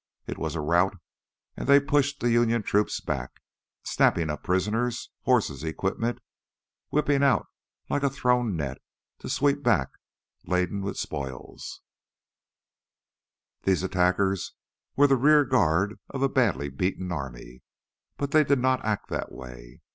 It was a rout and they pushed the Union troops back, snapping up prisoners, horses, equipment whipping out like a thrown net to sweep back laden with spoil. These attackers were the rear guard of a badly beaten army, but they did not act that way.